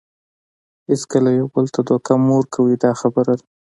هیڅکله یو بل ته دوکه مه ورکوئ دا خبره ده.